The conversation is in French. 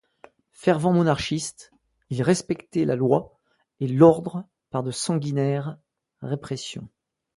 Fervent monarchiste, il fait respecter la loi et l'ordre par de sanglantes répressions.